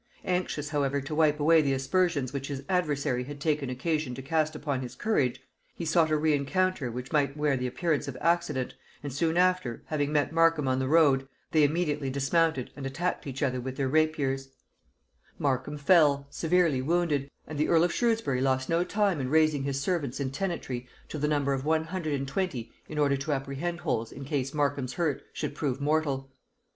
Anxious however to wipe away the aspersions which his adversary had taken occasion to cast upon his courage, he sought a rencounter which might wear the appearance of accident; and soon after, having met Markham on the road, they immediately dismounted and attacked each other with their rapiers; Markham fell, severely wounded, and the earl of Shrewsbury lost no time in raising his servants and tenantry to the number of one hundred and twenty in order to apprehend Holles in case Markham's hurt should prove mortal.